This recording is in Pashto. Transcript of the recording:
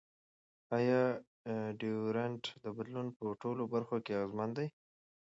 ایا ډیوډرنټ د بدن په ټولو برخو کې اغېزمن دی؟